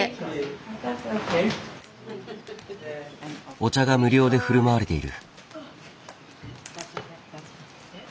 お茶が無料でふるまわれている。